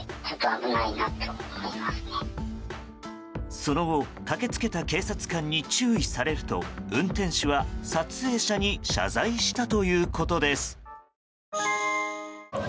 その後、駆け付けた警察官に注意されると運転手は撮影者に謝罪したということです。